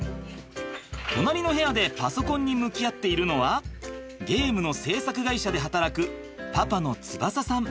隣の部屋でパソコンに向き合っているのはゲームの制作会社で働くパパの翼さん。